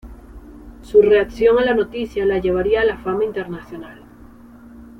Su reacción a la noticia la llevaría a la fama internacional.